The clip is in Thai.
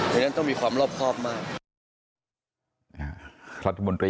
ฉะนั้นต้องมีความรอบครอบมาก